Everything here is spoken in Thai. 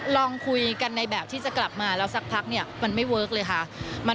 ลองคุยกันในแบบที่จะกลับมาแล้วสักพักเนี่ยมันไม่เวิร์คเลยค่ะ